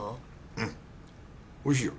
うんおいしいよ。